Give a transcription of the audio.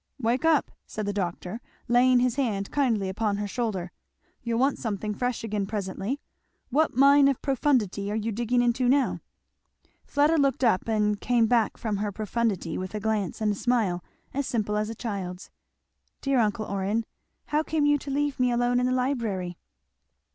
"Wake up!" said the doctor, laying his hand kindly upon her shoulder, "you'll want something fresh again presently. What mine of profundity are you digging into now?" Fleda looked up and came back from her profundity with a glance and smile as simple as a child's. "Dear uncle Orrin, how came you to leave me alone in the library?"